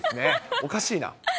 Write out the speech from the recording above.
おかしいな。